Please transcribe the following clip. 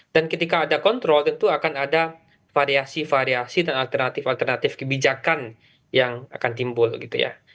dan ketika ada kontrol tentu akan ada variasi variasi dan alternatif alternatif kebijakan yang akan timbul gitu ya